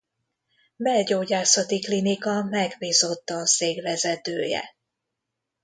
Belgyógyászati Klinika megbízott tanszékvezetője.